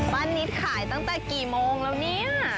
นิดขายตั้งแต่กี่โมงแล้วเนี่ย